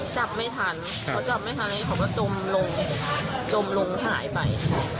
จับไม่ทันเขาจับไม่ทันแล้วเขาก็จมลงจมลงหายไป